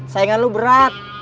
sayangan lu berat